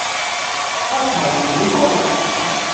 不無小補